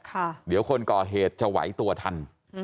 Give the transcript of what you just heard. เดี๋ยวคนก่อเหตุจะไหวตัวทัน